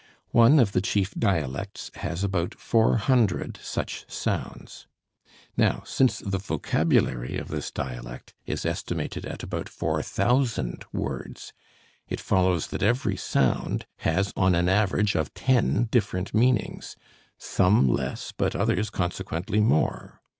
One of the chief dialects has about four hundred such sounds. Now since the vocabulary of this dialect is estimated at about four thousand words, it follows that every sound has on an average of ten different meanings, some less but others, consequently, more.